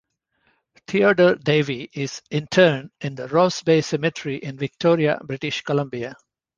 Theodore Davie is interred in the Ross Bay Cemetery in Victoria, British Columbia.